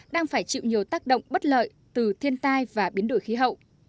đang phải chịu nhiều tác động bất lợi từ thiên tai và biến đổi khí hậu